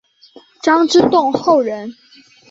张之洞后人。